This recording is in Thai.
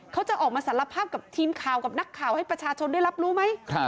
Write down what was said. เขาจะออกมาสารภาพกับทีมข่าวกับนักข่าวให้ประชาชนได้รับรู้ไหม